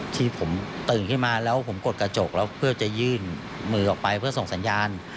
ที่ผมตื่นขึ้นมาแล้วผมกดกระจกแล้วเพื่อจะยื่นมือออกไปเพื่อส่งสัญญาณ